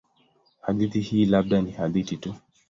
Hadithi hii labda ni hadithi tu.